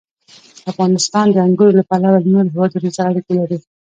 افغانستان د انګورو له پلوه له نورو هېوادونو سره اړیکې لري.